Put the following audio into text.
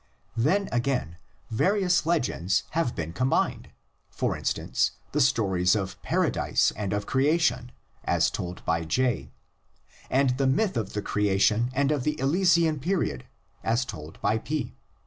Then again, various legends have been combined (see pp. 45 and 56), for instance, the stories of Para dise and of the creation as told by J, and the myth of the creation and of the Elysian period as told by P.